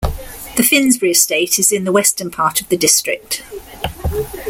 The Finsbury Estate is in the western part of the district.